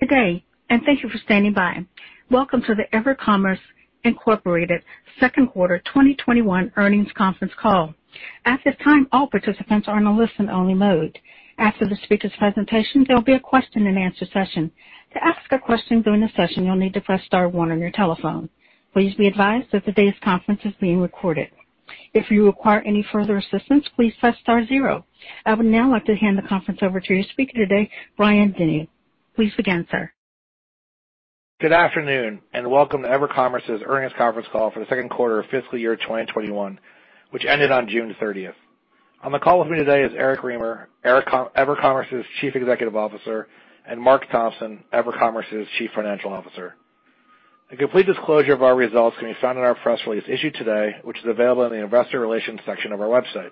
Today, and thank you for standing by. Welcome to the EverCommerce Inc. second quarter 2021 earnings conference call. At this time, all participants are in a listen-only mode. After the speaker's presentation, there will be a question and answer session. To ask a question during the session, you'll need to press star one on your telephone. Please be advised that today's conference is being recorded. If you require any further assistance, please press star zero. I would now like to hand the conference over to your speaker today, Brian Denyeau. Please begin, sir. Good afternoon, welcome to EverCommerce's earnings conference call for the second quarter of fiscal year 2021, which ended on June 30th. On the call with me today is Eric Remer, EverCommerce's Chief Executive Officer, and Marc Thompson, EverCommerce's Chief Financial Officer. A complete disclosure of our results can be found in our press release issued today, which is available in the investors.evercommerce.com.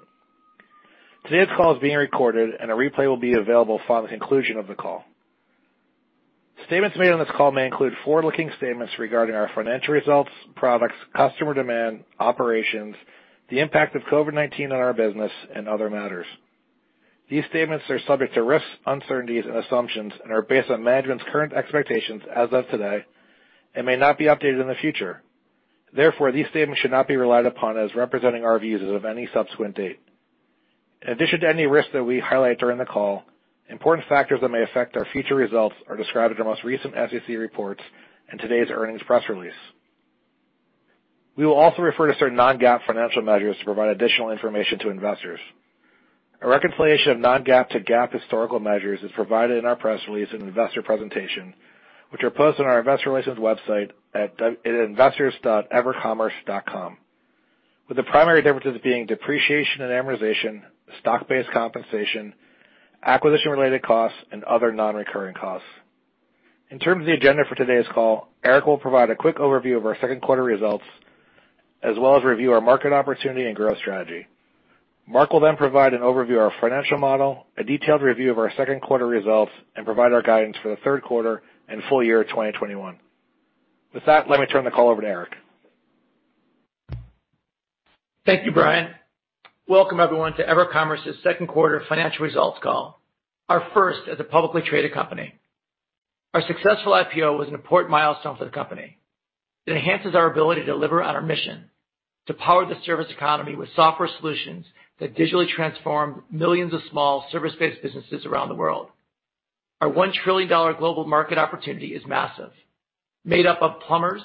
Today's call is being recorded, and a replay will be available following conclusion of the call. Statements made on this call may include forward-looking statements regarding our financial results, products, customer demand, operations, the impact of COVID-19 on our business, and other matters. These statements are subject to risks, uncertainties, and assumptions and are based on management's current expectations as of today and may not be updated in the future. Therefore, these statements should not be relied upon as representing our views as of any subsequent date. In addition to any risks that we highlight during the call, important factors that may affect our future results are described in our most recent SEC reports and today's earnings press release. We will also refer to certain non-GAAP financial measures to provide additional information to investors. A reconciliation of non-GAAP to GAAP historical measures is provided in our press release and investor presentation, which are posted on our investor relations website at investors.evercommerce.com, with the primary differences being depreciation and amortization, stock-based compensation, acquisition-related costs, and other non-recurring costs. In terms of the agenda for today's call, Eric will provide a quick overview of our second quarter results, as well as review our market opportunity and growth strategy. Marc will provide an overview of our financial model, a detailed review of our second quarter results, and provide our guidance for the third quarter and full year 2021. With that, let me turn the call over to Eric. Thank you, Brian. Welcome, everyone, to EverCommerce's second quarter financial results call, our first as a publicly traded company. Our successful IPO was an important milestone for the company. It enhances our ability to deliver on our mission to power the service economy with software solutions that digitally transform millions of small service-based businesses around the world. Our $1 trillion global market opportunity is massive, made up of plumbers,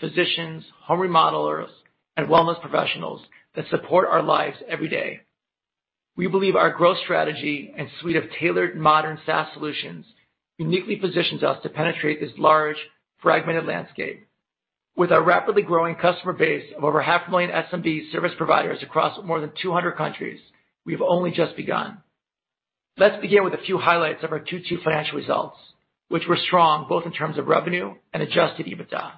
physicians, home remodelers, and wellness professionals that support our lives every day. We believe our growth strategy and suite of tailored modern SaaS solutions uniquely positions us to penetrate this large, fragmented landscape. With our rapidly growing customer base of over half a million SMB service providers across more than 200 countries, we've only just begun. Let's begin with a few highlights of our Q2 financial results, which were strong, both in terms of revenue and adjusted EBITDA.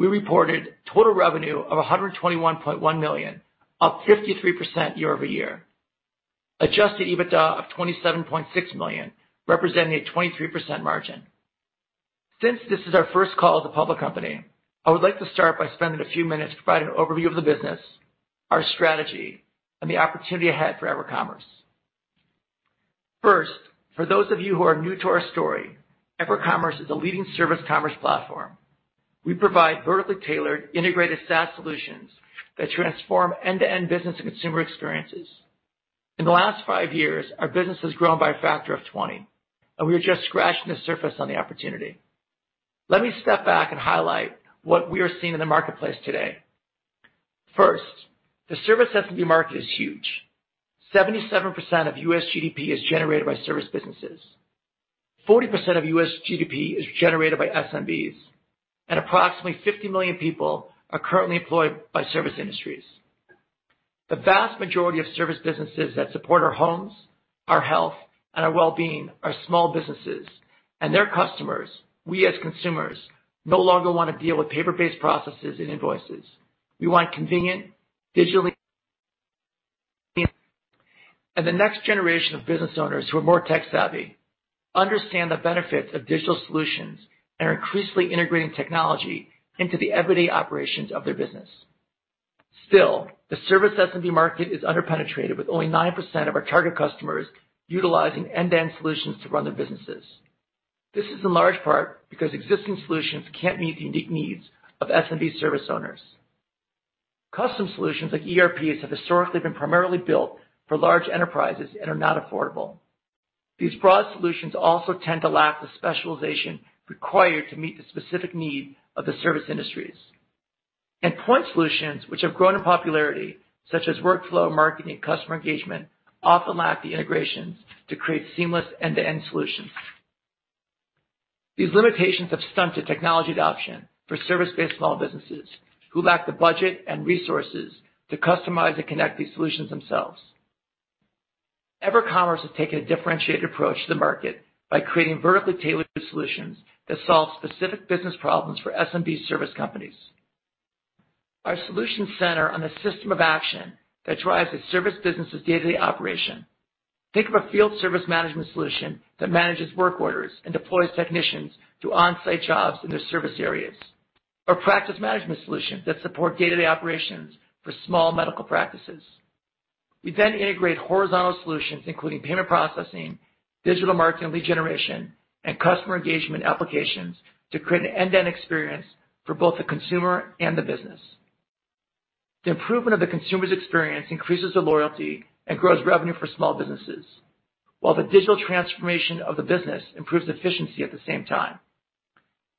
We reported total revenue of $121.1 million, up 53% year-over-year. adjusted EBITDA of $27.6 million, representing a 23% margin. Since this is our first call as a public company, I would like to start by spending a few minutes to provide an overview of the business, our strategy, and the opportunity ahead for EverCommerce. First, for those of you who are new to our story, EverCommerce is a leading service commerce platform. We provide vertically tailored, integrated SaaS solutions that transform end-to-end business and consumer experiences. In the last five years, our business has grown by a factor of 20, and we are just scratching the surface on the opportunity. Let me step back and highlight what we are seeing in the marketplace today. First, the service SMB market is huge. 77% of US GDP is generated by service businesses. 40% of US GDP is generated by SMBs, and approximately 50 million people are currently employed by service industries. The vast majority of service businesses that support our homes, our health, and our well-being are small businesses. Their customers, we as consumers, no longer want to deal with paper-based processes and invoices. We want convenient, digitally. The next generation of business owners who are more tech-savvy understand the benefits of digital solutions and are increasingly integrating technology into the everyday operations of their business. Still, the service SMB market is under-penetrated, with only 9% of our target customers utilizing end-to-end solutions to run their businesses. This is in large part because existing solutions can't meet the unique needs of SMB service owners. Custom solutions like ERPs have historically been primarily built for large enterprises and are not affordable. These broad solutions also tend to lack the specialization required to meet the specific need of the service industries. Point solutions, which have grown in popularity, such as workflow, marketing, customer engagement, often lack the integrations to create seamless end-to-end solutions. These limitations have stunted technology adoption for service-based small businesses who lack the budget and resources to customize and connect these solutions themselves. EverCommerce has taken a differentiated approach to the market by creating vertically tailored solutions that solve specific business problems for SMB service companies. Our solutions center on the system of action that drives a service business's day-to-day operation. Think of a field service management solution that manages work orders and deploys technicians to on-site jobs in their service areas. Practice management solutions that support day-to-day operations for small medical practices. We then integrate horizontal solutions, including payment processing, digital marketing, lead generation, and customer engagement applications to create an end-to-end experience for both the consumer and the business. The improvement of the consumer's experience increases the loyalty and grows revenue for small businesses, while the digital transformation of the business improves efficiency at the same time.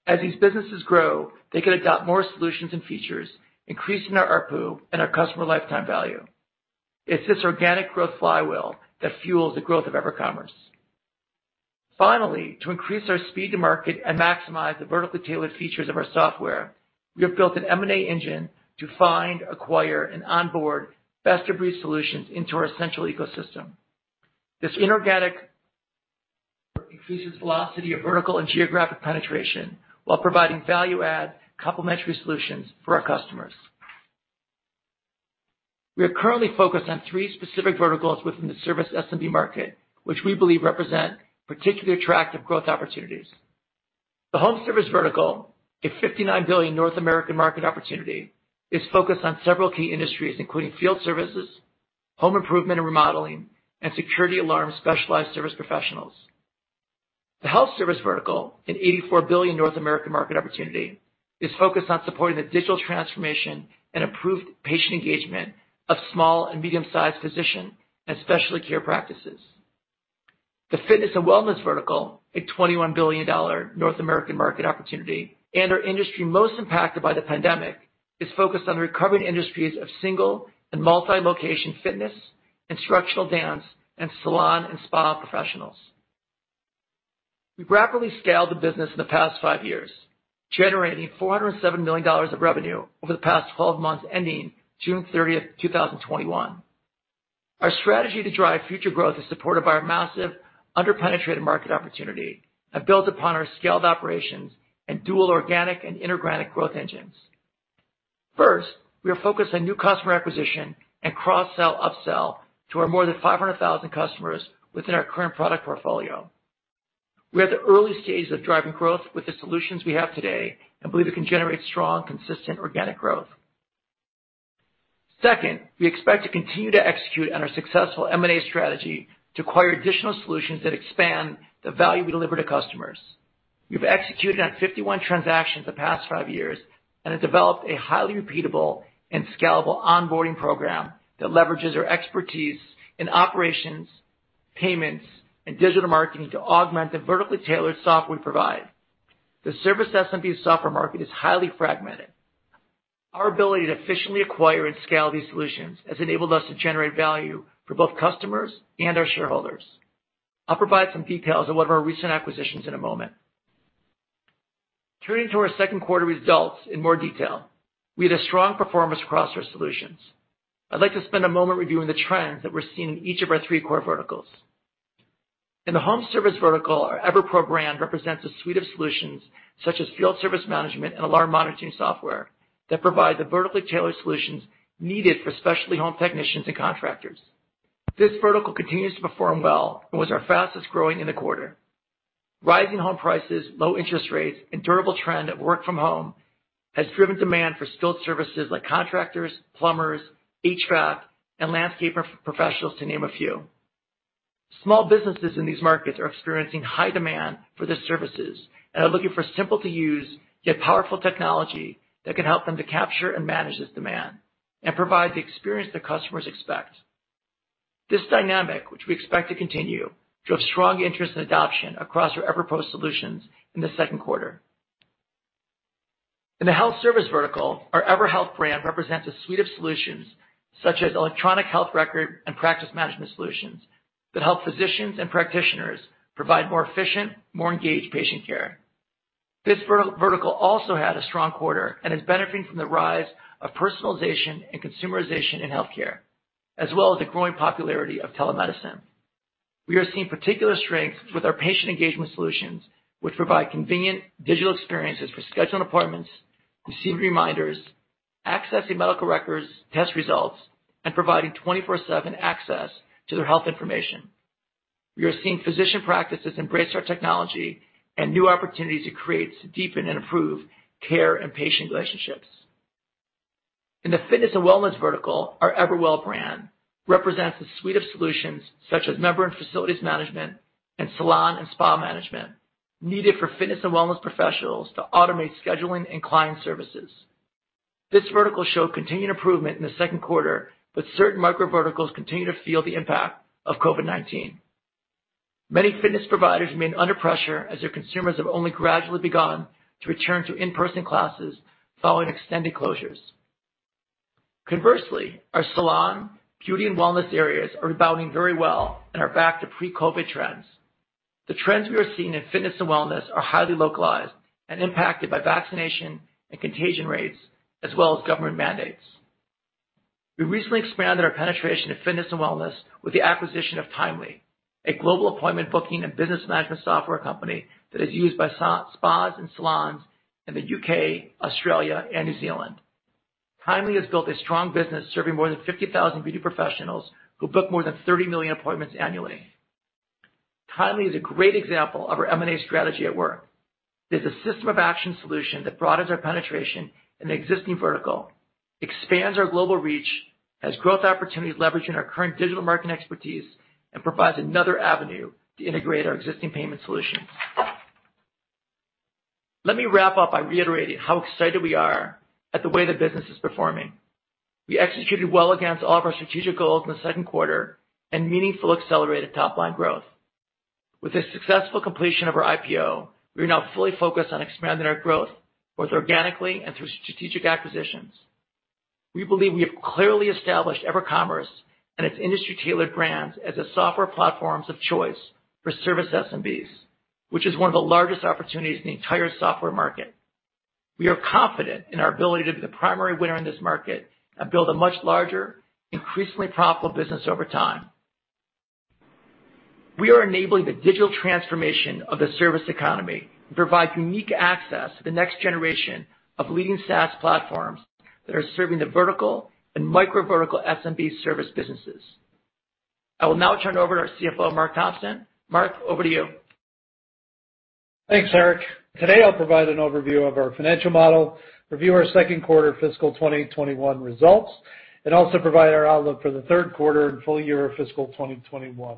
As these businesses grow, they can adopt more solutions and features, increasing our ARPU and our customer lifetime value. It's this organic growth flywheel that fuels the growth of EverCommerce. Finally, to increase our speed to market and maximize the vertically tailored features of our software, we have built an M&A engine to find, acquire, and onboard best-of-breed solutions into our central ecosystem. This inorganic increases velocity of vertical and geographic penetration while providing value-add complementary solutions for our customers. We are currently focused on three specific verticals within the service SMB market, which we believe represent particularly attractive growth opportunities. The home service vertical, a $59 billion North American market opportunity, is focused on several key industries, including field services, home improvement and remodeling, and security alarm specialized service professionals. The health service vertical, an $84 billion North American market opportunity, is focused on supporting the digital transformation and improved patient engagement of small and medium-sized physician and specialty care practices. The fitness and wellness vertical, a $21 billion North American market opportunity, and our industry most impacted by the pandemic, is focused on the recovering industries of single and multi-location fitness, instructional dance, and salon and spa professionals. We've rapidly scaled the business in the past five years, generating $407 million of revenue over the past 12 months ending June 30, 2021. Our strategy to drive future growth is supported by our massive under-penetrated market opportunity and built upon our scaled operations and dual organic and inorganic growth engines. First, we are focused on new customer acquisition and cross-sell, up-sell to our more than 500,000 customers within our current product portfolio. We are at the early stages of driving growth with the solutions we have today and believe it can generate strong, consistent organic growth. Second, we expect to continue to execute on our successful M&A strategy to acquire additional solutions that expand the value we deliver to customers. We've executed on 51 transactions the past five years and have developed a highly repeatable and scalable onboarding program that leverages our expertise in operations, payments, and digital marketing to augment the vertically tailored software we provide. The service SMB software market is highly fragmented. Our ability to efficiently acquire and scale these solutions has enabled us to generate value for both customers and our shareholders. I'll provide some details on one of our recent acquisitions in a moment. Turning to our second quarter results in more detail, we had a strong performance across our solutions. I'd like to spend a moment reviewing the trends that we're seeing in each of our three core verticals. In the home service vertical, our EverPro brand represents a suite of solutions such as field service management and alarm monitoring software that provide the vertically tailored solutions needed for specialty home technicians and contractors. This vertical continues to perform well and was our fastest-growing in the quarter. Rising home prices, low interest rates, and durable trend of work from home has driven demand for skilled services like contractors, plumbers, HVAC, and landscape professionals, to name a few. Small businesses in these markets are experiencing high demand for these services and are looking for simple to use, yet powerful technology that can help them to capture and manage this demand and provide the experience that customers expect. This dynamic, which we expect to continue, drove strong interest and adoption across our EverPro solutions in the second quarter. In the health service vertical, our EverHealth brand represents a suite of solutions such as electronic health record and practice management solutions that help physicians and practitioners provide more efficient, more engaged patient care. This vertical also had a strong quarter and is benefiting from the rise of personalization and consumerization in healthcare, as well as the growing popularity of telemedicine. We are seeing particular strength with our patient engagement solutions, which provide convenient digital experiences for scheduling appointments, receiving reminders, accessing medical records, test results, and providing 24/7 access to their health information. We are seeing physician practices embrace our technology and new opportunities it creates to deepen and improve care and patient relationships. In the fitness and wellness vertical, our EverWell brand represents a suite of solutions such as member and facilities management and salon and spa management needed for fitness and wellness professionals to automate scheduling and client services. This vertical showed continued improvement in the second quarter, but certain micro verticals continue to feel the impact of COVID-19. Many fitness providers remain under pressure as their consumers have only gradually begun to return to in-person classes following extended closures. Conversely, our salon, beauty, and wellness areas are rebounding very well and are back to pre-COVID trends. The trends we are seeing in fitness and wellness are highly localized and impacted by vaccination and contagion rates, as well as government mandates. We recently expanded our penetration of fitness and wellness with the acquisition of Timely, a global appointment booking and business management software company that is used by spas and salons in the U.K., Australia, and New Zealand. Timely has built a strong business serving more than 50,000 beauty professionals who book more than 30 million appointments annually. Timely is a great example of our M&A strategy at work. It's a system of action solution that broadens our penetration in the existing vertical, expands our global reach, has growth opportunities leveraging our current digital marketing expertise, and provides another avenue to integrate our existing payment solutions. Let me wrap up by reiterating how excited we are at the way the business is performing. We executed well against all of our strategic goals in the second quarter. Meaningful accelerated top-line growth. With the successful completion of our IPO, we are now fully focused on expanding our growth, both organically and through strategic acquisitions. We believe we have clearly established EverCommerce and its industry-tailored brands as the software platforms of choice for service SMBs, which is one of the largest opportunities in the entire software market. We are confident in our ability to be the primary winner in this market and build a much larger, increasingly profitable business over time. We are enabling the digital transformation of the service economy and provide unique access to the next generation of leading SaaS platforms that are serving the vertical and micro-vertical SMB service businesses. I will now turn it over to our CFO, Marc Thompson. Marc, over to you. Thanks, Eric. Today, I'll provide an overview of our financial model, review our second quarter fiscal 2021 results, and also provide our outlook for the third quarter and full year fiscal 2021.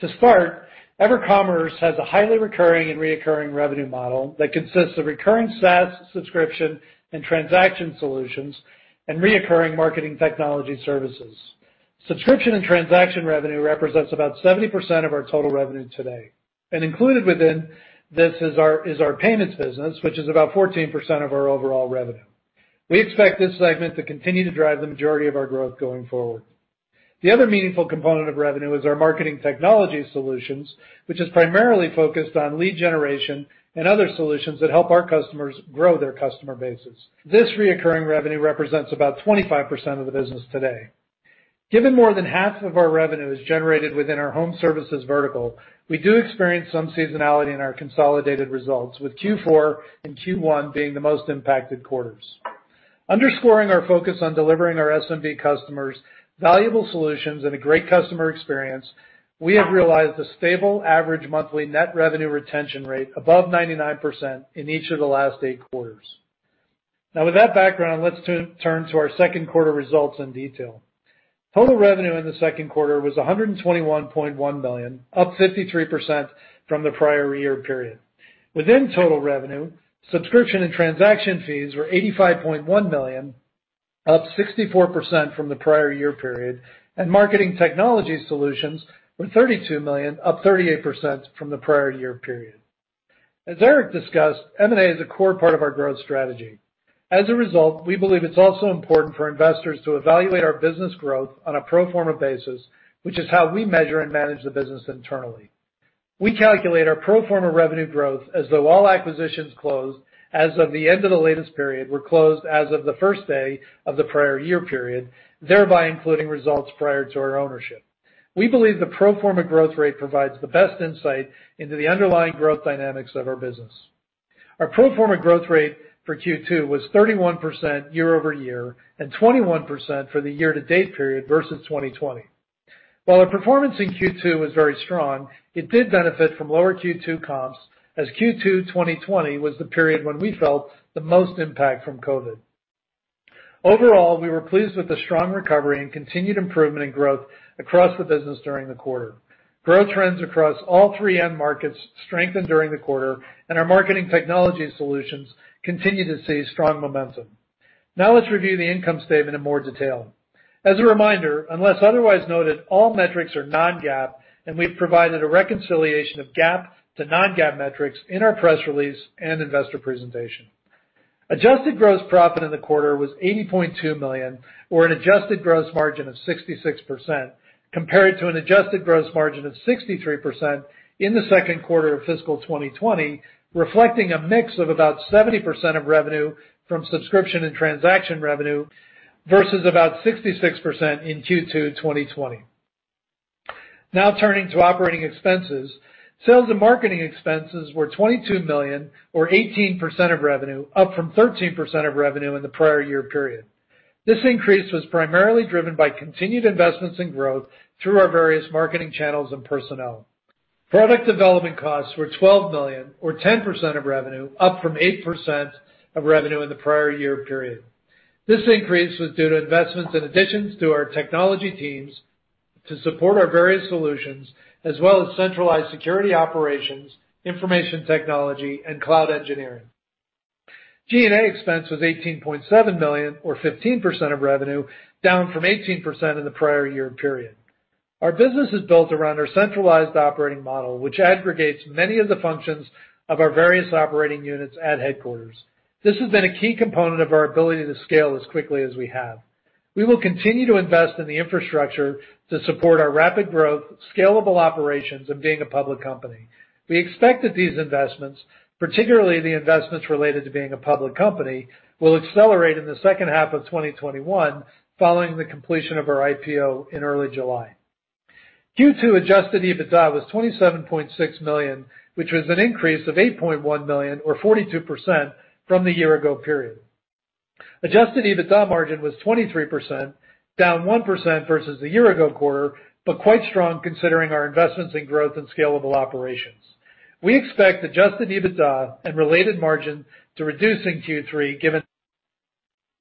To start, EverCommerce has a highly recurring and reoccurring revenue model that consists of recurring SaaS subscription and transaction solutions, and reoccurring marketing technology services. Subscription and transaction revenue represents about 70% of our total revenue today, and included within this is our payments business, which is about 14% of our overall revenue. We expect this segment to continue to drive the majority of our growth going forward. The other meaningful component of revenue is our marketing technology solutions, which is primarily focused on lead generation and other solutions that help our customers grow their customer bases. This reoccurring revenue represents about 25% of the business today. Given more than half of our revenue is generated within our home services vertical, we do experience some seasonality in our consolidated results, with Q4 and Q1 being the most impacted quarters. Underscoring our focus on delivering our SMB customers valuable solutions and a great customer experience, we have realized a stable average monthly net revenue retention rate above 99% in each of the last eight quarters. Now, with that background, let's turn to our second quarter results in detail. Total revenue in the second quarter was $121.1 million, up 53% from the prior year period. Within total revenue, subscription and transaction fees were $85.1 million, up 64% from the prior year period, and marketing technology solutions were $32 million, up 38% from the prior year period. As Eric discussed, M&A is a core part of our growth strategy. As a result, we believe it's also important for investors to evaluate our business growth on a pro forma basis, which is how we measure and manage the business internally. We calculate our pro forma revenue growth as though all acquisitions closed as of the end of the latest period were closed as of the first day of the prior year period, thereby including results prior to our ownership. We believe the pro forma growth rate provides the best insight into the underlying growth dynamics of our business. Our pro forma growth rate for Q2 was 31% year-over-year, and 21% for the year-to-date period versus 2020. While our performance in Q2 was very strong, it did benefit from lower Q2 comps, as Q2 2020 was the period when we felt the most impact from COVID. Overall, we were pleased with the strong recovery and continued improvement in growth across the business during the quarter. Growth trends across all three end markets strengthened during the quarter, and our marketing technology solutions continue to see strong momentum. Let's review the income statement in more detail. As a reminder, unless otherwise noted, all metrics are non-GAAP, and we've provided a reconciliation of GAAP to non-GAAP metrics in our press release and investor presentation. Adjusted gross profit in the quarter was $80.2 million, or an adjusted gross margin of 66%, compared to an adjusted gross margin of 63% in the second quarter of fiscal 2020, reflecting a mix of about 70% of revenue from subscription and transaction revenue versus about 66% in Q2 2020. Now turning to operating expenses, sales and marketing expenses were $22 million, or 18% of revenue, up from 13% of revenue in the prior year period. This increase was primarily driven by continued investments in growth through our various marketing channels and personnel. Product development costs were $12 million, or 10% of revenue, up from 8% of revenue in the prior year period. This increase was due to investments and additions to our technology teams to support our various solutions, as well as centralized security operations, information technology, and cloud engineering. G&A expense was $18.7 million, or 15% of revenue, down from 18% in the prior year period. Our business is built around our centralized operating model, which aggregates many of the functions of our various operating units at headquarters. This has been a key component of our ability to scale as quickly as we have. We will continue to invest in the infrastructure to support our rapid growth, scalable operations, and being a public company. We expect that these investments, particularly the investments related to being a public company, will accelerate in the second half of 2021, following the completion of our IPO in early July. Q2 adjusted EBITDA was $27.6 million, which was an increase of $8.1 million or 42% from the year-ago period. Adjusted EBITDA margin was 23%, down 1% versus the year-ago quarter, but quite strong considering our investments in growth and scalable operations. We expect adjusted EBITDA and related margin to reduce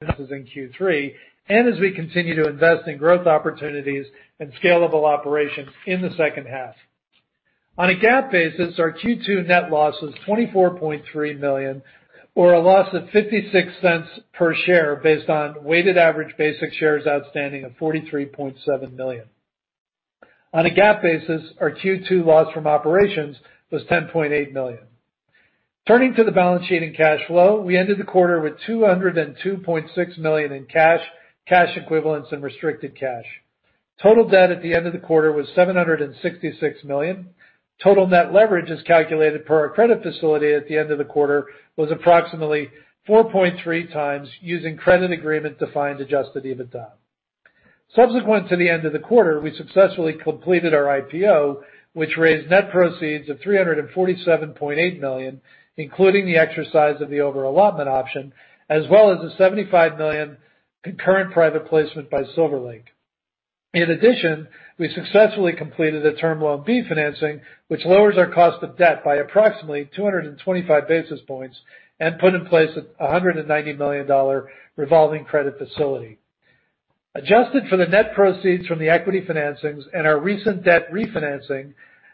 in Q3 as we continue to invest in growth opportunities and scalable operations in the second half. On a GAAP basis, our Q2 net loss was $24.3 million, or a loss of $0.56 per share, based on weighted average basic shares outstanding of 43.7 million. On a GAAP basis, our Q2 loss from operations was $10.8 million. Turning to the balance sheet and cash flow, we ended the quarter with $202.6 million in cash equivalents, and restricted cash. Total debt at the end of the quarter was $766 million. Total net leverage, as calculated per our credit facility at the end of the quarter, was approximately 4.3x using credit agreement to find adjusted EBITDA. Subsequent to the end of the quarter, we successfully completed our IPO, which raised net proceeds of $347.8 million, including the exercise of the over-allotment option, as well as a $75 million concurrent private placement by Silver Lake. In addition, we successfully completed a Term Loan B financing, which lowers our cost of debt by approximately 225 basis points and put in place a $190 million revolving credit facility. Adjusted for the net proceeds from the equity financings and our recent debt refinancing,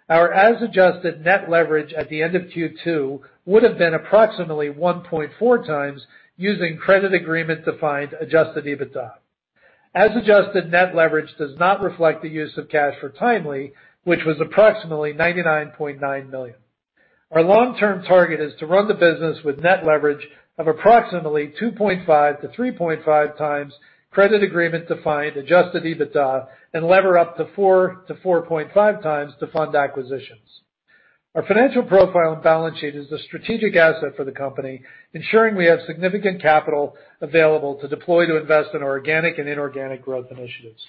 our as-adjusted net leverage at the end of Q2 would have been approximately 1.4x using credit agreement to find adjusted EBITDA. As-adjusted net leverage does not reflect the use of cash for Timely, which was approximately $99.9 million. Our long-term target is to run the business with net leverage of approximately 2.5-3.5x credit agreement to find adjusted EBITDA and lever up to 4x-4.5x to fund acquisitions. Our financial profile and balance sheet is a strategic asset for the company, ensuring we have significant capital available to deploy to invest in organic and inorganic growth initiatives.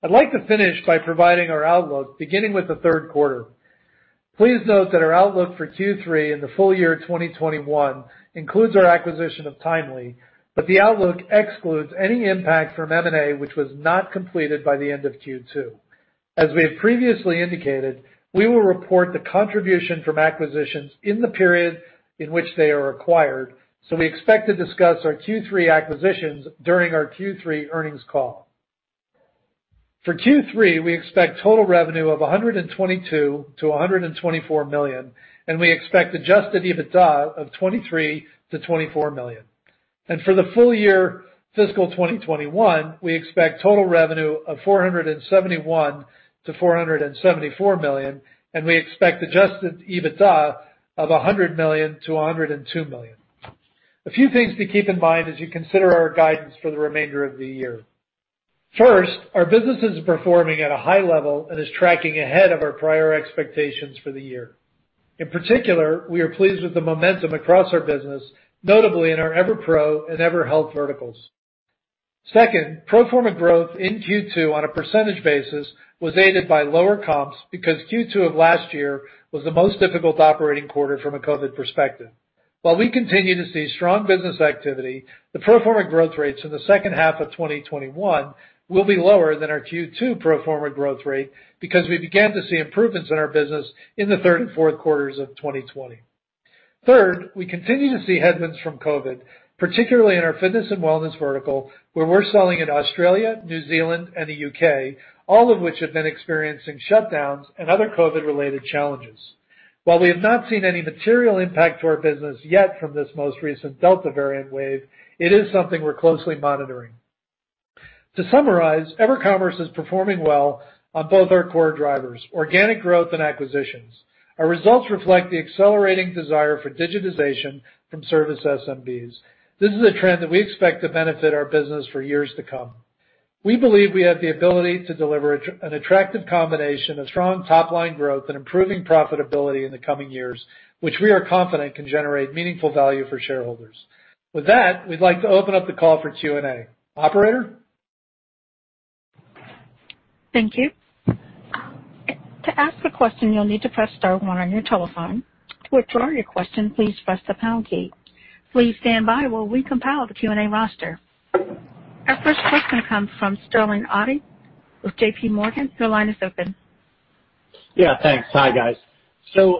I'd like to finish by providing our outlook, beginning with the third quarter. Please note that our outlook for Q3 and the full year 2021 includes our acquisition of Timely, but the outlook excludes any impact from M&A which was not completed by the end of Q2. As we have previously indicated, we will report the contribution from acquisitions in the period in which they are acquired, so we expect to discuss our Q3 acquisitions during our Q3 earnings call. For Q3, we expect total revenue of $122 million-$124 million, and we expect adjusted EBITDA of $23 million-$24 million. For the full year fiscal 2021, we expect total revenue of $471 million-$474 million, and we expect adjusted EBITDA of $100 million-$102 million. A few things to keep in mind as you consider our guidance for the remainder of the year. Our business is performing at a high level and is tracking ahead of our prior expectations for the year. In particular, we are pleased with the momentum across our business, notably in our EverPro and EverHealth verticals. Pro forma growth in Q2 on a percentage basis was aided by lower comps because Q2 of last year was the most difficult operating quarter from a COVID perspective. We continue to see strong business activity, the pro forma growth rates in the second half of 2021 will be lower than our Q2 pro forma growth rate because we began to see improvements in our business in the third and fourth quarters of 2020. We continue to see headwinds from COVID, particularly in our fitness and wellness vertical, where we're selling in Australia, New Zealand, and the U.K., all of which have been experiencing shutdowns and other COVID-related challenges. While we have not seen any material impact to our business yet from this most recent Delta variant wave, it is something we're closely monitoring. To summarize, EverCommerce is performing well on both our core drivers, organic growth, and acquisitions. Our results reflect the accelerating desire for digitization from service SMBs. This is a trend that we expect to benefit our business for years to come. We believe we have the ability to deliver an attractive combination of strong top-line growth and improving profitability in the coming years, which we are confident can generate meaningful value for shareholders. With that, we'd like to open up the call for Q&A. Operator? Thank you. Our first question comes from Sterling Auty with JP Morgan. Your line is open. Thanks. Hi, guys.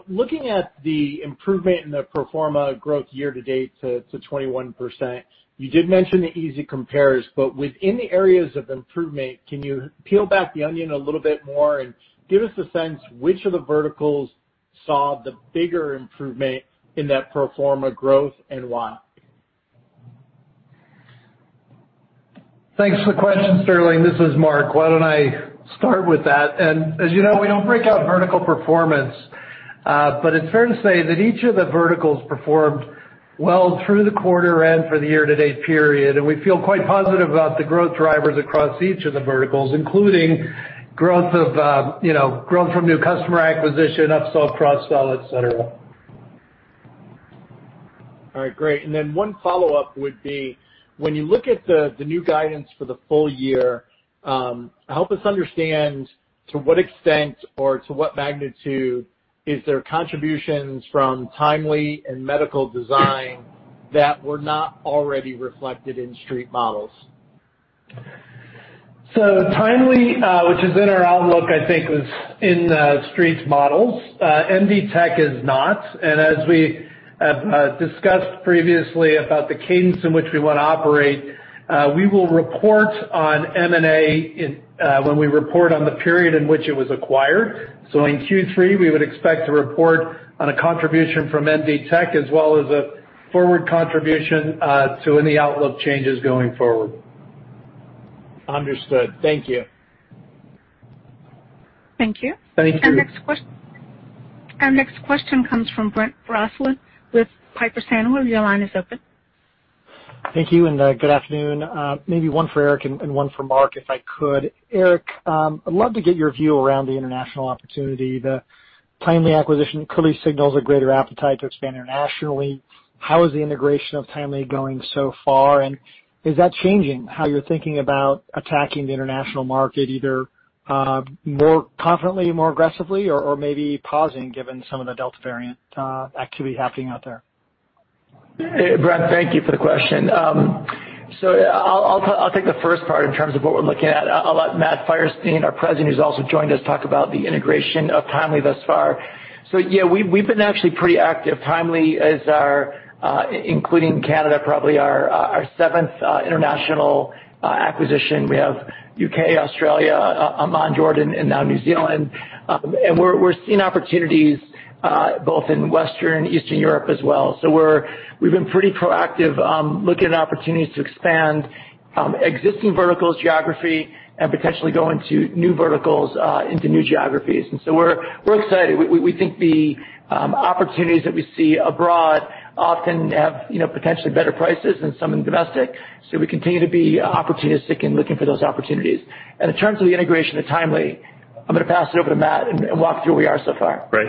Looking at the improvement in the pro forma growth year to date to 21%, you did mention the easy compares, but within the areas of improvement, can you peel back the onion a little bit more and give us a sense which of the verticals saw the bigger improvement in that pro forma growth and why? Thanks for the question, Sterling. This is Marc. Why don't I start with that? As you know, we don't break out vertical performance, but it's fair to say that each of the verticals performed well through the quarter and for the year-to-date period, and we feel quite positive about the growth drivers across each of the verticals, including growth from new customer acquisition, upsell, cross-sell, et cetera. All right, great. One follow-up would be, when you look at the new guidance for the full year, help us understand to what extent or to what magnitude is there contributions from Timely and Medical Design that were not already reflected in Street models? Timely, which is in our outlook, I think, was in the Street's models. MDTech is not, and as we have discussed previously about the cadence in which we want to operate, we will report on M&A when we report on the period in which it was acquired. In Q3, we would expect to report on a contribution from MDTech as well as a forward contribution to any outlook changes going forward. Understood. Thank you. Thank you. Thank you. Our next question comes from Brent Bracelin with Piper Sandler. Your line is open. Thank you, and good afternoon. Maybe one for Eric and one for Marc, if I could. Eric, I'd love to get your view around the international opportunity. The Timely acquisition clearly signals a greater appetite to expand internationally. How is the integration of Timely going so far. Is that changing how you're thinking about attacking the international market, either more confidently, more aggressively, or maybe pausing given some of the Delta variant activity happening out there? Brent, thank you for the question. I'll take the first part in terms of what we're looking at. I'll let Matt Feierstein, our president, who's also joined us, talk about the integration of Timely thus far. Yeah, we've been actually pretty active. Timely is our, including Canada, probably our seventh international acquisition. We have U.K., Australia, Oman, Jordan, and now New Zealand. We're seeing opportunities both in Western, Eastern Europe as well. We've been pretty proactive looking at opportunities to expand existing verticals, geography, and potentially go into new verticals, into new geographies. We're excited. We think the opportunities that we see abroad often have potentially better prices than some in domestic. We continue to be opportunistic in looking for those opportunities. In terms of the integration of Timely, I'm going to pass it over to Matt and walk through where we are so far. Great.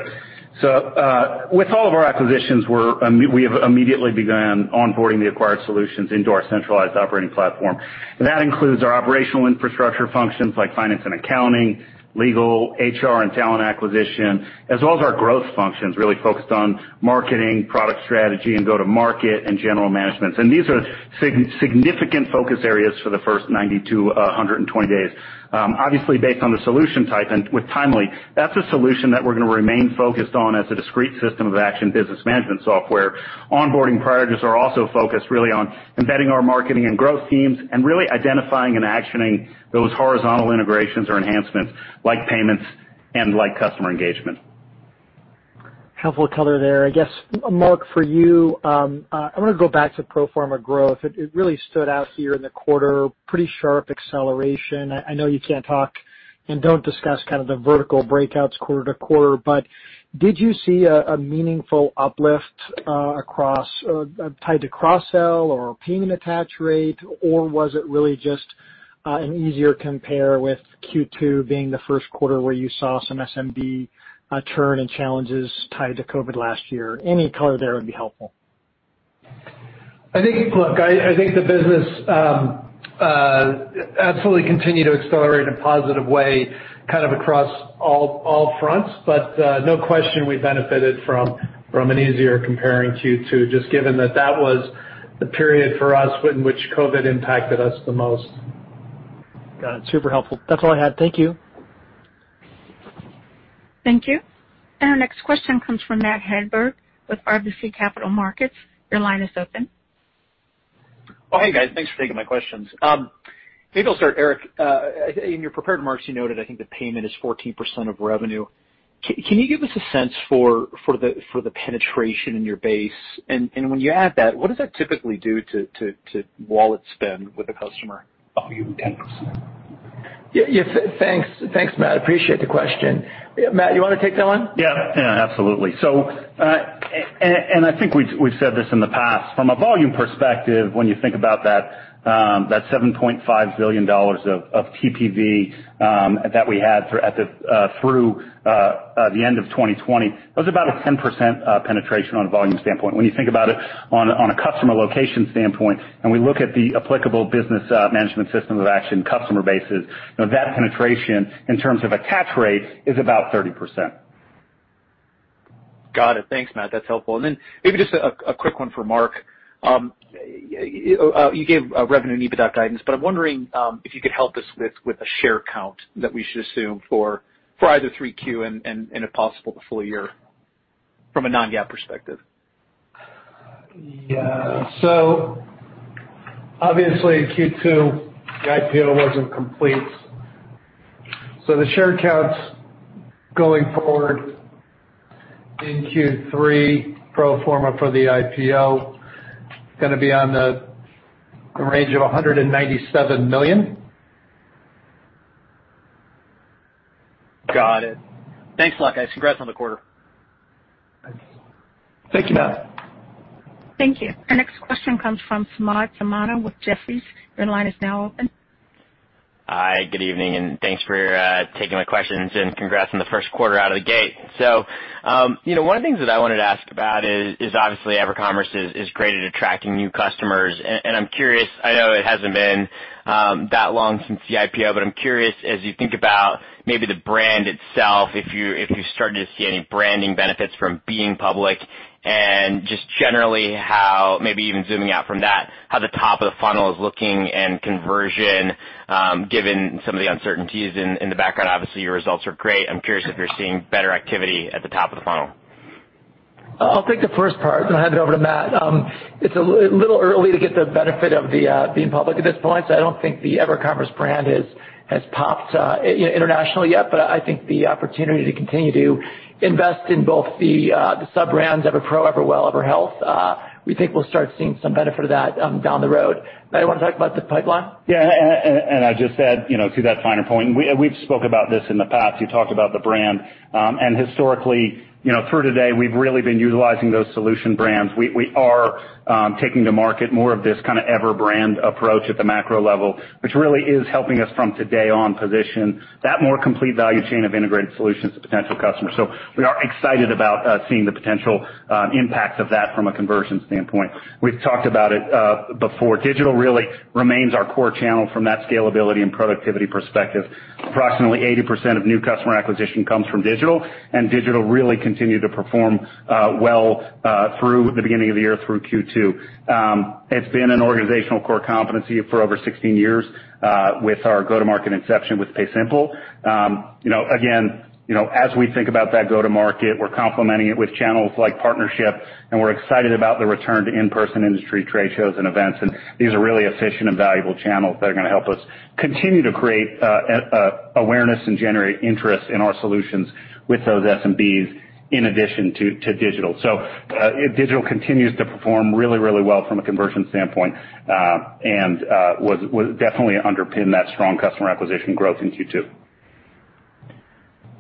With all of our acquisitions, we have immediately begun onboarding the acquired solutions into our centralized operating platform. That includes our operational infrastructure functions like finance and accounting, legal, HR, and talent acquisition, as well as our growth functions really focused on marketing, product strategy, and go-to market and general management. These are significant focus areas for the first 90-120 days. Obviously, based on the solution type, with Timely, that's a solution that we're going to remain focused on as a discrete system of action business management software. Onboarding priorities are also focused really on embedding our marketing and growth teams and really identifying and actioning those horizontal integrations or enhancements like payments and like customer engagement. Helpful color there. I guess, Marc, for you, I want to go back to pro forma growth. It really stood out here in the quarter, pretty sharp acceleration. I know you can't talk and don't discuss kind of the vertical breakouts quarter to quarter, but did you see a meaningful uplift tied to cross-sell or payment attach rate, or was it really just an easier compare with Q2 being the first quarter where you saw some SMB churn and challenges tied to COVID last year? Any color there would be helpful. Look, I think the business absolutely continued to accelerate in a positive way kind of across all fronts. No question we benefited from an easier comparing Q2, just given that that was the period for us in which COVID impacted us the most. Got it. Super helpful. That's all I had. Thank you. Thank you. Our next question comes from Matt Hedberg with RBC Capital Markets. Your line is open. Oh, hey, guys. Thanks for taking my questions. Maybe I'll start, Eric. In your prepared remarks, you noted, I think the payment is 14% of revenue. Can you give us a sense for the penetration in your base? When you add that, what does that typically do to wallet spend with a customer volume? Thanks. Yeah. Thanks, Matt. Appreciate the question. Matt, you want to take that one? Yeah. Absolutely. I think we've said this in the past. From a volume perspective, when you think about that $7.5 billion of TPV that we had through the end of 2020, that was about a 10% penetration on a volume standpoint. When you think about it on a customer location standpoint, and we look at the applicable business management systems of action customer bases, that penetration in terms of attach rate is about 30%. Got it. Thanks, Matt. That's helpful. Maybe just a quick one for Marc. You gave revenue and EBITDA guidance, but I'm wondering if you could help us with a share count that we should assume for either 3Q and if possible, the full year from a non-GAAP perspective. Obviously in Q2, the IPO wasn't complete. The share counts going forward in Q3 pro forma for the IPO is going to be on the range of 197 million. Got it. Thanks for luck, guys. Congrats on the quarter. Thank you, Matt. Thank you. Our next question comes from Samad Samana with Jefferies. Your line is now open. Hi, good evening, and thanks for taking my questions and congrats on the first quarter out of the gate. One of the things that I wanted to ask about is, obviously EverCommerce is great at attracting new customers, and I'm curious, I know it hasn't been that long since the IPO, but I'm curious as you think about maybe the brand itself, if you're starting to see any branding benefits from being public and just generally how maybe even zooming out from that, how the top of the funnel is looking and conversion, given some of the uncertainties in the background. Obviously, your results are great. I'm curious if you're seeing better activity at the top of the funnel. I'll take the first part, then I'll hand it over to Matt. It's a little early to get the benefit of being public at this point. I don't think the EverCommerce brand has popped internationally yet, but I think the opportunity to continue to invest in both the sub-brands, EverPro, EverWell, EverHealth, we think we'll start seeing some benefit of that down the road. Matt, you want to talk about the pipeline? Yeah, I just add to that final point. We've spoken about this in the past. You talked about the brand. Historically, through today, we've really been utilizing those solution brands. We are taking to market more of this kind of Ever brand approach at the macro level, which really is helping us from today on position that more complete value chain of integrated solutions to potential customers. We are excited about seeing the potential impact of that from a conversion standpoint. We've talked about it before. Digital really remains our core channel from that scalability and productivity perspective. Approximately 80% of new customer acquisition comes from digital, and digital really continued to perform well through the beginning of the year through Q2. It's been an organizational core competency for over 16 years with our go-to-market inception with PaySimple. Again, as we think about that go to market, we're complementing it with channels like partnership, and we're excited about the return to in-person industry trade shows and events. These are really efficient and valuable channels that are going to help us continue to create awareness and generate interest in our solutions with those SMBs in addition to digital. Digital continues to perform really well from a conversion standpoint, and would definitely underpin that strong customer acquisition growth in Q2.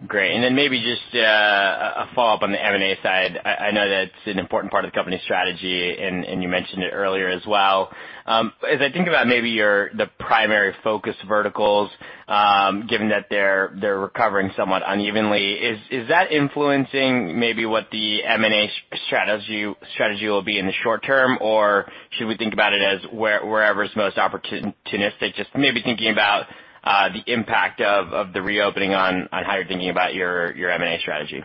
Great. Maybe just a follow-up on the M&A side. I know that's an important part of the company strategy, and you mentioned it earlier as well. As I think about maybe the primary focus verticals, given that they're recovering somewhat unevenly, is that influencing maybe what the M&A strategy will be in the short term, or should we think about it as wherever is most opportunistic? Just maybe thinking about the impact of the reopening on how you're thinking about your M&A strategy.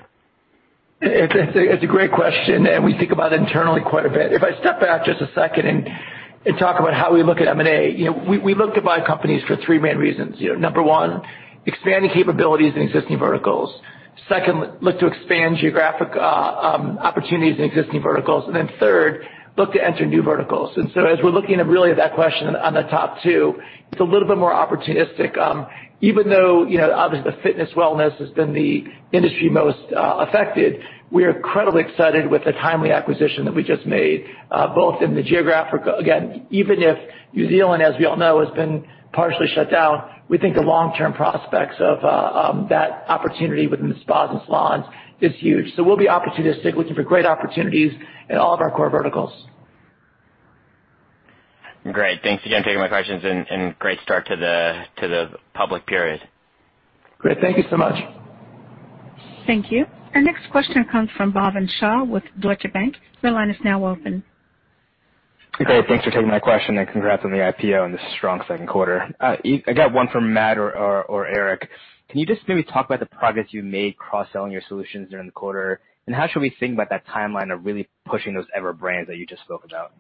It's a great question, and we think about it internally quite a bit. If I step back just a second and talk about how we look at M&A. We look to buy companies for three main reasons. Number one, expanding capabilities in existing verticals. Second, look to expand geographic opportunities in existing verticals. Third, look to enter new verticals. As we're looking at really that question on the top two, it's a little bit more opportunistic. Even though, obviously fitness wellness has been the industry most affected, we are incredibly excited with the Timely acquisition that we just made, both in the geographic-- Again, even if New Zealand, as we all know, has been partially shut down, we think the long-term prospects of that opportunity within the spas and salons is huge. We'll be opportunistic, looking for great opportunities in all of our core verticals. Great. Thanks again for taking my questions and great start to the public period. Great. Thank you so much. Thank you. Our next question comes from Bhavin Shah with Deutsche Bank. Your line is now open. Great. Thanks for taking my question and congrats on the IPO and the strong second quarter. I got one for Matt or Eric. Can you just maybe talk about the progress you made cross-selling your solutions during the quarter, and how should we think about that timeline of really pushing those Ever brands that you just spoke about?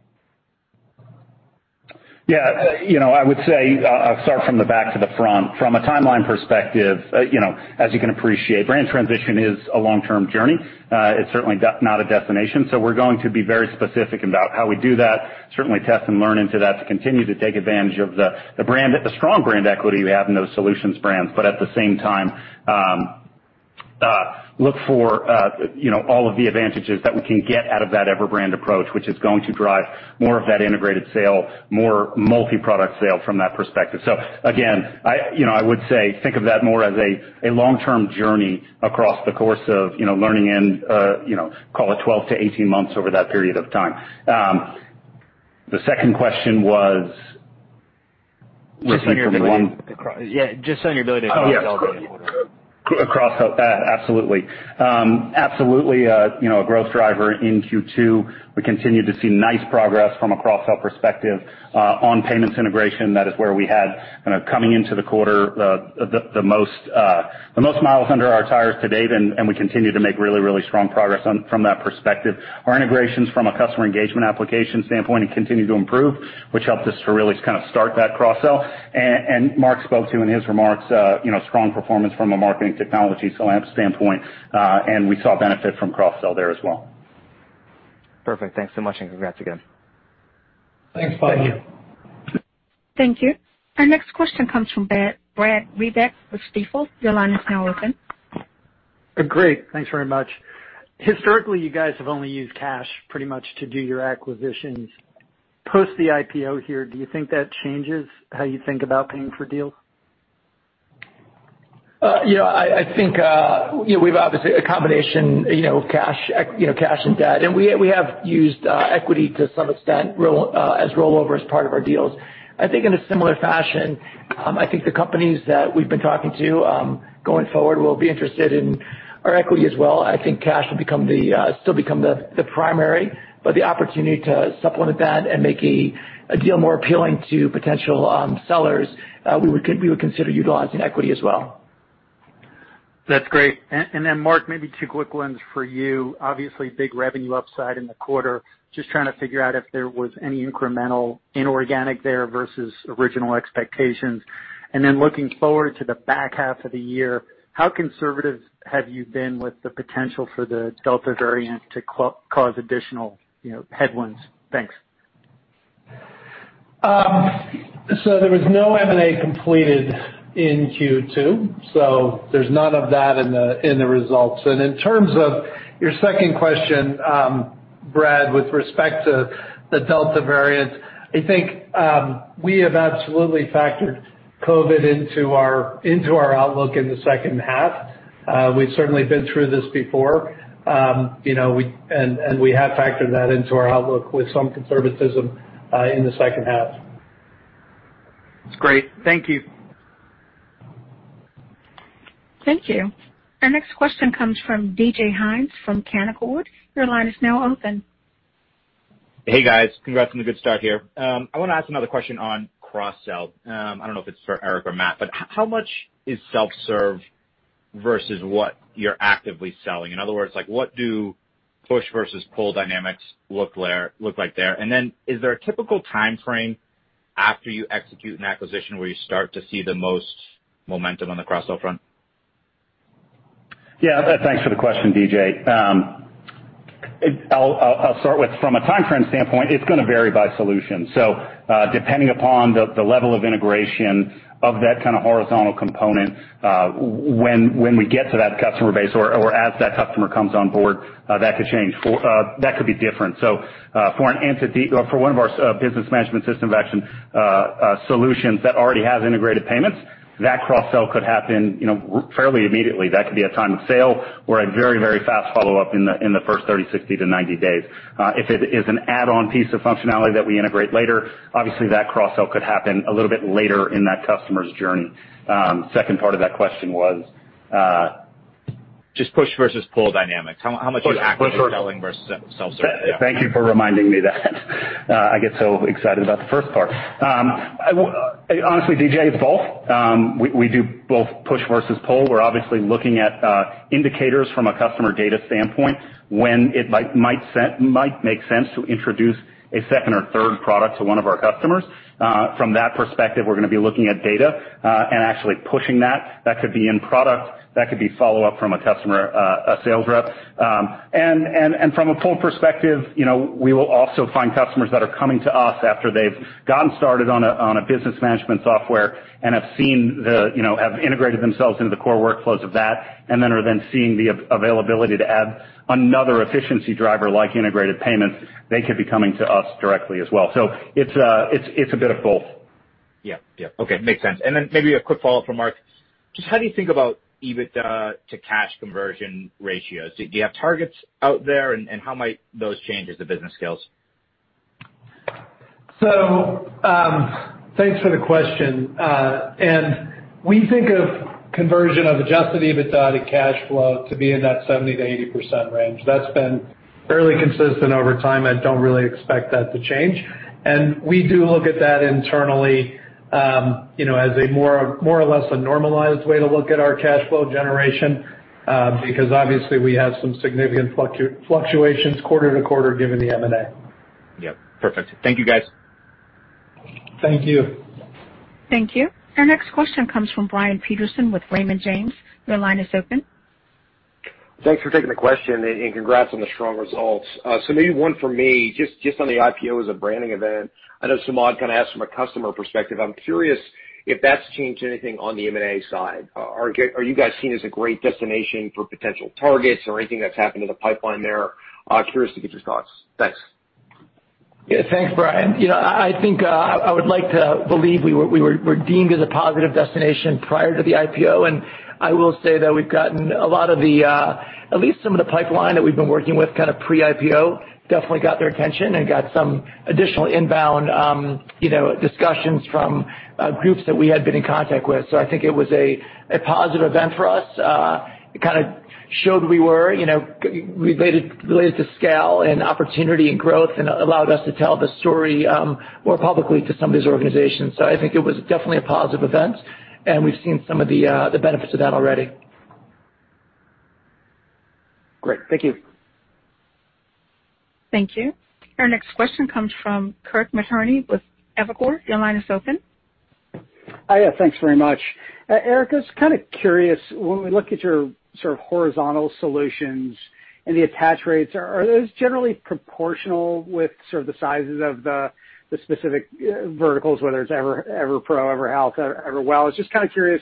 I would say, I'll start from the back to the front. From a timeline perspective, as you can appreciate, brand transition is a long-term journey. It's certainly not a destination. We're going to be very specific about how we do that, certainly test and learn into that to continue to take advantage of the strong brand equity we have in those solutions brands. At the same time, look for all of the advantages that we can get out of that Ever brand approach, which is going to drive more of that integrated sale, more multi-product sale from that perspective. Again, I would say, think of that more as a long-term journey across the course of learning and call it 12 to 18 months over that period of time. The second question was with the one- Just on your ability to cross-sell during the quarter. Absolutely. A growth driver in Q2. We continued to see nice progress from a cross-sell perspective on payments integration. That is where we had kind of coming into the quarter the most miles under our tires to date. We continue to make really strong progress from that perspective. Our integrations from a customer engagement application standpoint continue to improve, which helped us to really kind of start that cross-sell. Marc spoke to in his remarks, strong performance from a marketing technology standpoint. We saw benefit from cross-sell there as well. Perfect. Thanks so much, and congrats again. Thanks, Bhavin. Thank you. Thank you. Our next question comes from Brad Reback with Stifel. Your line is now open. Great. Thanks very much. Historically, you guys have only used cash pretty much to do your acquisitions. Post the IPO here, do you think that changes how you think about paying for deals? I think we have, obviously, a combination of cash and debt. We have used equity to some extent as rollover as part of our deals. I think in a similar fashion, I think the companies that we've been talking to going forward will be interested in our equity as well. I think cash will still become the primary, but the opportunity to supplement that and make a deal more appealing to potential sellers, we would consider utilizing equity as well. That's great. Marc, maybe two quick ones for you. Obviously, big revenue upside in the quarter. Just trying to figure out if there was any incremental inorganic there versus original expectations. Looking forward to the back half of the year, how conservative have you been with the potential for the Delta variant to cause additional headwinds? Thanks. There was no M&A completed in Q2, so there's none of that in the results. In terms of your second question, Brad, with respect to the Delta variant, I think we have absolutely factored COVID into our outlook in the second half. We've certainly been through this before, and we have factored that into our outlook with some conservatism in the second half. That's great. Thank you. Thank you. Our next question comes from DJ Hynes from Canaccord. Hey, guys. Congrats on the good start here. I want to ask another question on cross-sell. I don't know if it's for Eric or Matt, but how much is self-serve versus what you're actively selling? In other words, what do push versus pull dynamics look like there? Is there a typical timeframe after you execute an acquisition where you start to see the most momentum on the cross-sell front? Yeah. Thanks for the question, DJ. I'll start with, from a timeframe standpoint, it's going to vary by solution. Depending upon the level of integration of that kind of horizontal component, when we get to that customer base or as that customer comes on board, that could change. That could be different. For one of our business management system of action solutions that already has integrated payments, that cross-sell could happen fairly immediately. That could be at time of sale or a very fast follow-up in the first 30, 60 to 90 days. If it is an add-on piece of functionality that we integrate later, obviously that cross-sell could happen a little bit later in that customer's journey. Second part of that question was? Just push versus pull dynamics. How much are you actively selling versus self-serve? Thank you for reminding me that. I get so excited about the first part. Honestly, DJ, it's both. We do both push versus pull. We're obviously looking at indicators from a customer data standpoint when it might make sense to introduce a second or third product to one of our customers. From that perspective, we're going to be looking at data, actually pushing that. That could be in product, that could be follow-up from a sales rep. From a pull perspective, we will also find customers that are coming to us after they've gotten started on a business management software and have integrated themselves into the core workflows of that, and then are then seeing the availability to add another efficiency driver like integrated payments. They could be coming to us directly as well. It's a bit of both. Yeah. Okay. Makes sense. Maybe a quick follow-up for Marc. Just how do you think about EBITDA to cash conversion ratios? Do you have targets out there, and how might those change as the business scales? Thanks for the question. We think of conversion of adjusted EBITDA to cash flow to be in that 70%-80% range. That's been fairly consistent over time. I don't really expect that to change. We do look at that internally as more or less a normalized way to look at our cash flow generation, because obviously we have some significant fluctuations quarter to quarter given the M&A. Yep. Perfect. Thank you, guys. Thank you. Thank you. Our next question comes from Brian Peterson with Raymond James. Your line is open. Thanks for taking the question, and congrats on the strong results. Maybe one for me, just on the IPO as a branding event. I know Samad kind of asked from a customer perspective. I'm curious if that's changed anything on the M&A side. Are you guys seen as a great destination for potential targets or anything that's happened in the pipeline there? Curious to get your thoughts. Thanks. Thanks, Brian. I would like to believe we were deemed as a positive destination prior to the IPO. I will say that we've gotten at least some of the pipeline that we've been working with kind of pre-IPO, definitely got their attention and got some additional inbound discussions from groups that we had been in contact with. I think it was a positive event for us. It kind of showed we were ready to scale and opportunity and growth, allowed us to tell the story more publicly to some of these organizations. I think it was definitely a positive event. We've seen some of the benefits of that already. Great. Thank you. Thank you. Our next question comes from Kirk Materne with Evercore. Your line is open. Yeah, thanks very much. Eric, I was kind of curious, when we look at your sort of horizontal solutions and the attach rates, are those generally proportional with sort of the sizes of the specific verticals, whether it's EverPro, EverHealth, EverWell? I was just kind of curious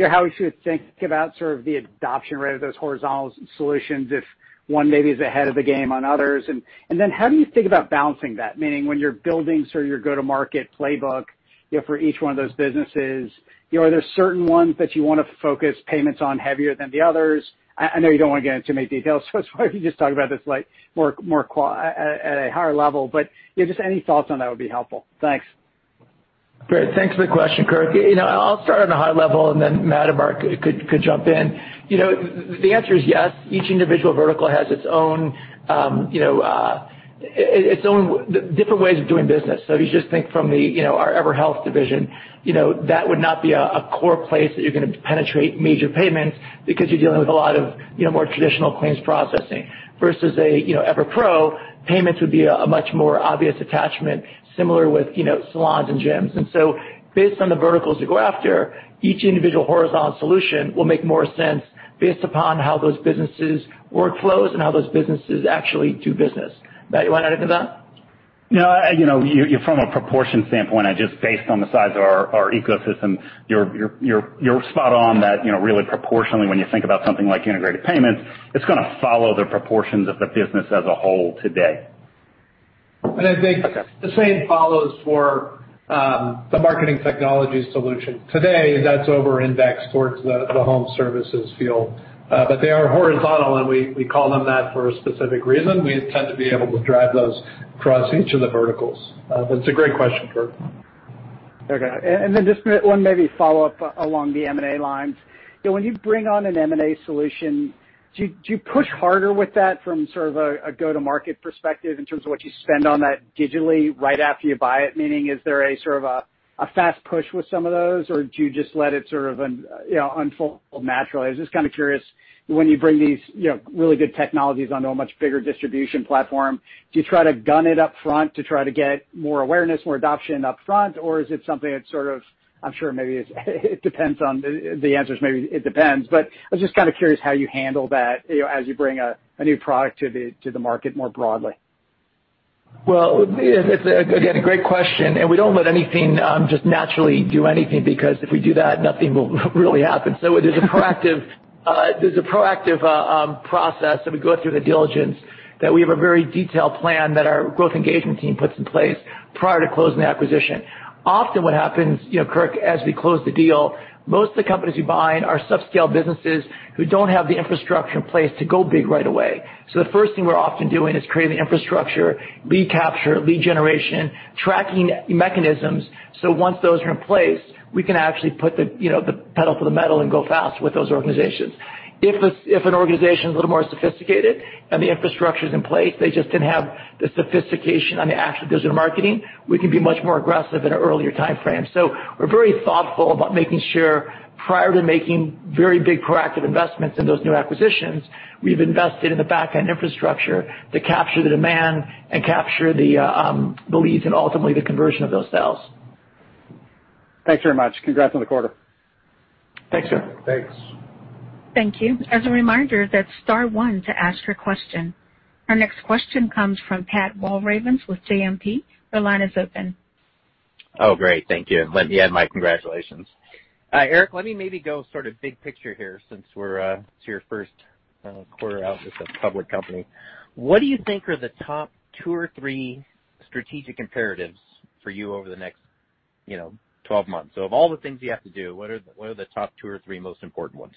how we should think about sort of the adoption rate of those horizontal solutions if one maybe is ahead of the game on others. How do you think about balancing that, meaning when you're building sort of your go-to-market playbook for each one of those businesses, are there certain ones that you want to focus payments on heavier than the others? I know you don't want to get into too many details, that's why if you could just talk about this at a higher level. Just any thoughts on that would be helpful. Thanks. Great. Thanks for the question, Kirk. I'll start on a high level, then Matt and Mark could jump in. The answer is yes, each individual vertical has its own different ways of doing business. If you just think from our EverHealth division, that would not be a core place that you're going to penetrate major payments because you're dealing with a lot of more traditional claims processing. Versus EverPro, payments would be a much more obvious attachment, similar with salons and gyms. Based on the verticals you go after, each individual horizontal solution will make more sense based upon how those businesses workflows and how those businesses actually do business. Matt, you want to add anything to that? No. From a proportion standpoint, just based on the size of our ecosystem, you're spot on that really proportionally, when you think about something like integrated payments, it's going to follow the proportions of the business as a whole today. I think the same follows for the marketing technology solution. Today, that's over-indexed towards the home services field. They are horizontal, and we call them that for a specific reason. We intend to be able to drive those across each of the verticals. It's a great question, Kirk. Okay. Then just one maybe follow-up along the M&A lines. When you bring on an M&A solution, do you push harder with that from sort of a go-to-market perspective in terms of what you spend on that digitally right after you buy it? Meaning, is there a sort of a fast push with some of those, or do you just let it sort of unfold naturally? I was just kind of curious, when you bring these really good technologies onto a much bigger distribution platform, do you try to gun it up front to try to get more awareness, more adoption up front? Is it something that's sort of I'm sure maybe it depends on the answers. Maybe it depends. I was just kind of curious how you handle that as you bring a new product to the market more broadly. Well, again, a great question, and we don't let anything just naturally do anything, because if we do that, nothing will really happen. There's a proactive process that we go through in the diligence that we have a very detailed plan that our growth engagement team puts in place prior to closing the acquisition. Often what happens, Kirk, as we close the deal, most of the companies we buy are subscale businesses who don't have the infrastructure in place to go big right away. The first thing we're often doing is creating infrastructure, lead capture, lead generation, tracking mechanisms, so once those are in place, we can actually put the pedal to the metal and go fast with those organizations. If an organization's a little more sophisticated and the infrastructure's in place, they just didn't have the sophistication on the actual digital marketing, we can be much more aggressive in an earlier timeframe. We're very thoughtful about making sure prior to making very big proactive investments in those new acquisitions, we've invested in the back-end infrastructure to capture the demand and capture the leads and ultimately the conversion of those sales. Thanks very much. Congrats on the quarter. Thanks, Kirk. Thanks. Thank you. As a reminder, that's star one to ask your question. Our next question comes from Pat Walravens with JMP. Your line is open. Oh, great. Thank you. My congratulations. Eric, let me maybe go sort of big picture here since it's your first quarter out as a public company. What do you think are the top two or three strategic imperatives for you over the next 12 months? Of all the things you have to do, what are the top two or three most important ones?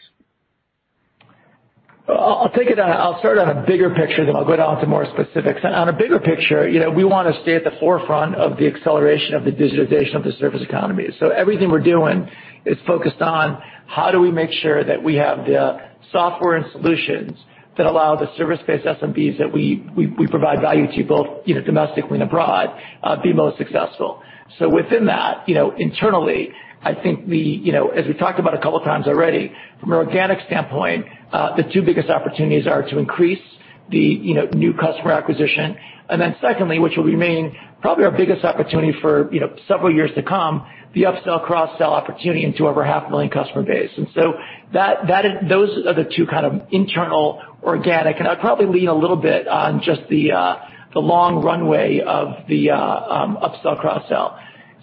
I'll start on a bigger picture, then I'll go down to more specifics. On a bigger picture, we want to stay at the forefront of the acceleration of the digitization of the service economy. Everything we're doing is focused on how do we make sure that we have the software and solutions that allow the service-based SMBs that we provide value to, both domestically and abroad, be most successful. Within that, internally, I think as we've talked about a couple times already, from an organic standpoint, the two biggest opportunities are to increase the new customer acquisition. Then secondly, which will remain probably our biggest opportunity for several years to come, the upsell, cross-sell opportunity into over a half a million customer base. Those are the two kind of internal, organic, and I'd probably lean a little bit on just the long runway of the upsell, cross-sell.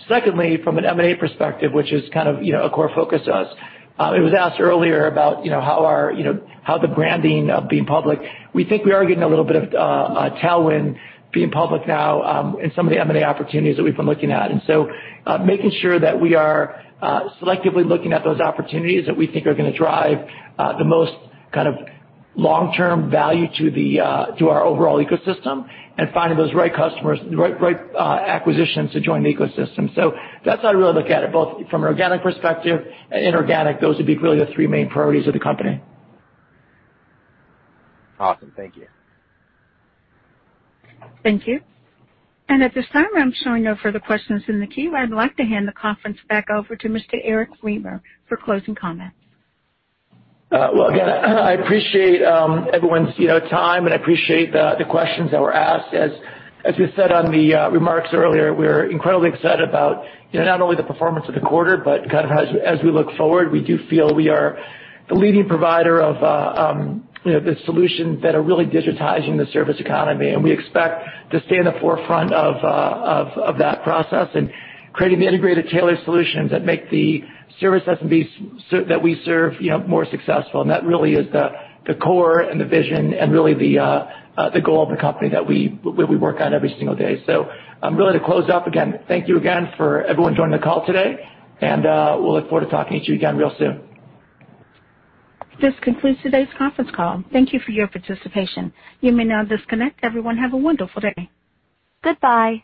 Secondly, from an M&A perspective, which is kind of a core focus to us, it was asked earlier about how the branding of being public. We think we are getting a little bit of a tailwind being public now in some of the M&A opportunities that we've been looking at. Making sure that we are selectively looking at those opportunities that we think are going to drive the most kind of long-term value to our overall ecosystem and finding those right acquisitions to join the ecosystem. That's how I really look at it, both from an organic perspective and inorganic. Those would be really the three main priorities of the company. Awesome. Thank you. Thank you. At this time, I'm showing no further questions in the queue. I'd like to hand the conference back over to Mr. Eric Remer for closing comments. Well, again, I appreciate everyone's time, and I appreciate the questions that were asked. As we said on the remarks earlier, we're incredibly excited about not only the performance of the quarter, but kind of as we look forward, we do feel we are the leading provider of the solutions that are really digitizing the service economy. We expect to stay in the forefront of that process and creating the integrated tailored solutions that make the service SMBs that we serve more successful. That really is the core and the vision and really the goal of the company that we work on every single day. Really to close up, again, thank you again for everyone joining the call today, and we'll look forward to talking to you again real soon. This concludes today's conference call. Thank you for your participation. You may now disconnect. Everyone, have a wonderful day. Goodbye.